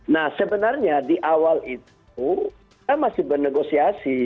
nah sebenarnya di awal itu kita masih bernegosiasi